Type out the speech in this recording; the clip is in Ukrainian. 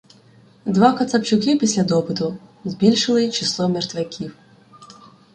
Два кацапчуки після допиту збільшили число мертвяків.